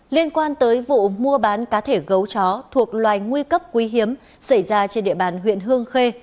liên quan tới vụ mua bán cá thể gấu chó thuộc loài nguy cấp quý hiếm xảy ra trên địa bàn huyện hương khê